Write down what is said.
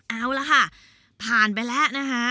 เอาละค่ะผ่านไปแล้วนะคะ